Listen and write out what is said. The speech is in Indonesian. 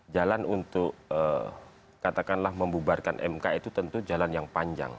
jalan untuk katakanlah membubarkan mk itu tentu jalan yang panjang